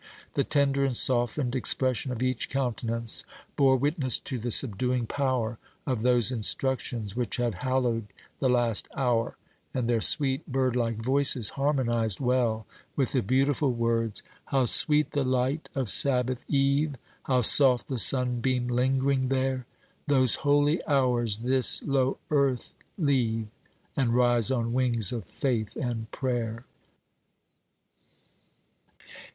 The tender and softened expression of each countenance bore witness to the subduing power of those instructions which had hallowed the last hour, and their sweet, bird like voices harmonized well with the beautiful words, "How sweet the light of Sabbath eve! How soft the sunbeam lingering there! Those holy hours this, low earth leave, And rise on wings of faith and prayer."